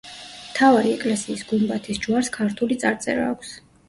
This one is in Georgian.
მთავარი ეკლესიის გუმბათის ჯვარს ქართული წარწერა აქვს.